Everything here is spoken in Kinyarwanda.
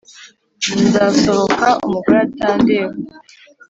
nzasohoka umugore atandeba